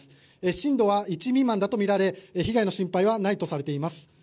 震度は１未満だとみられ被害の心配はないとされています。